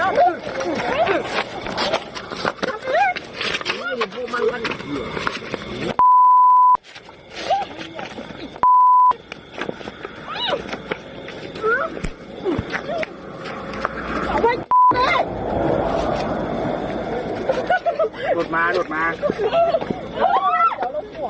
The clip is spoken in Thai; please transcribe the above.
โดดมาโดดมา